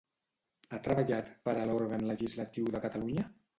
Ha treballat per a l'òrgan legislatiu de Catalunya?